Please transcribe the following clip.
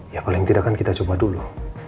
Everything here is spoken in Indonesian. ya paling tidak kan kita coba dulu